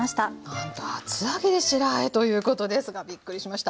なんと厚揚げで白あえということですがびっくりしました。